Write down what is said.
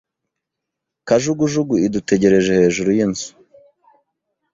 Kajugujugu idutegereje hejuru yinzu.